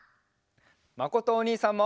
まことおにいさんも！